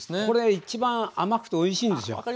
これ一番甘くておいしいんですよ。